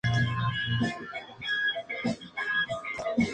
En Álava es habitual comerlo en la festividad de la provincia, San Prudencio.